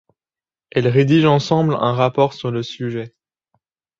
Elles rédigent ensemble un rapport sur le sujet.